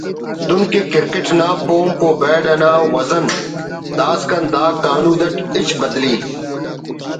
دن کہ کرکٹ نا پومپ و بیڈ انا وزن داسکان دا کانود اٹ ہچ بدلی